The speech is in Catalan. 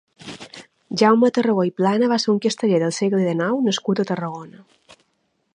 Jaume Tarragó i Plana va ser un casteller del segle dinou nascut a Tarragona.